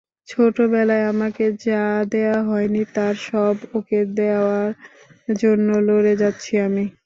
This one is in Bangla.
ছোটবেলায় আমাকে যা দেয়া হয়নি তার সব ওকে দেয়ার জন্য লড়ে যাচ্ছি আমি।